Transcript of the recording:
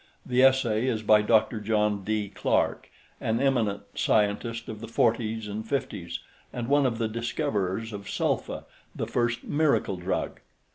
The essay is by Dr. John D. Clark, an eminent scientist of the fourties and fifties and one of the discoverers of sulfa, the first "miracle drug."